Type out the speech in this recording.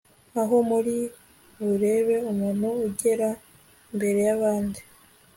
aho muri burebe umuntu ugera mberey'abandi